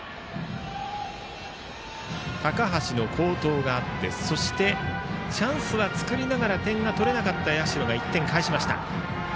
高橋の好投があってそしてチャンスは作りながら点が取れなかった社が１点返しました。